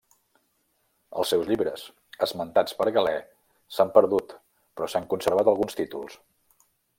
Els seus llibres, esmentats per Galè, s'han perdut, però s'han conservat alguns títols.